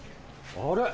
あれ？